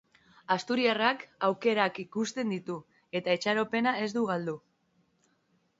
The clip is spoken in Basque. Asturiarrak aukerak ikusten ditu, eta itxaropena ez du galdu.